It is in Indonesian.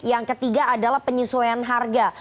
yang ketiga adalah penyesuaian harga